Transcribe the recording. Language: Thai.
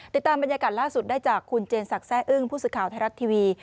ติดตามบรรยากาศล่าสุดได้จากคุณเจนสักแซ่อึ้งผู้สื่อข่าวไทยรัฐทีวี